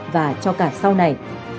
và cho cả sau này